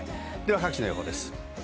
各地の予報です。